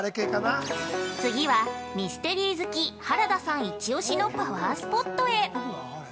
◆次は、ミステリー好き原田さんの一押しパワースポットへ。